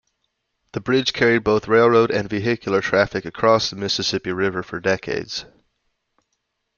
The bridge carried both railroad and vehicular traffic across the Mississippi River for decades.